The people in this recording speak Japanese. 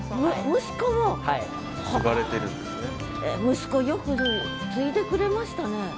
息子よく継いでくれましたね。